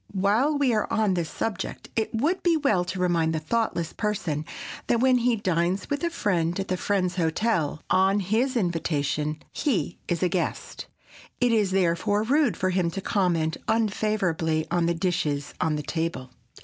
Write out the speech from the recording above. While we are on this subject it would be well to remind the thoughtless person that when he dines with a friend at that friend's hotel, on his invitation, he is a guest. It is therefore rude for him to comment unfavorably on the dishes on the table.